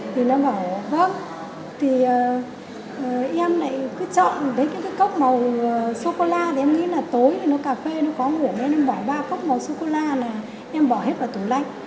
thì nó bảo vâng thì em lại cứ chọn đấy cái cốc màu sô cô la thì em nghĩ là tối thì nó cà phê nó khó ngủ nên em bỏ ba cốc màu sô cô la là em bỏ hết vào tủ lạnh